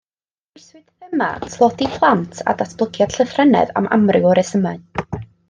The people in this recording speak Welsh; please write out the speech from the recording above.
Dewiswyd thema tlodi plant a datblygiad llythrennedd am amryw o resymau